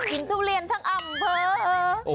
กินทุเรียนทั่งอำเภิว